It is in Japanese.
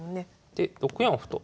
で６四歩と。